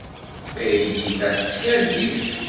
Taydit-a tettkerric.